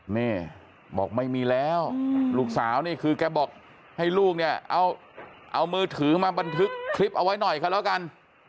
นี่บอกไม่มีแล้วลูกสาวนี่คือแกบอกให้ลูกเนี่ยเอามือถือมาบันทึกคลิปเอาไว้หน่อยเขาแล้วกัน